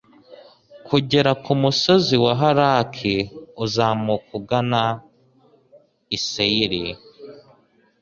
kugera ku musozi wa halaki uzamuka ugana i seyiri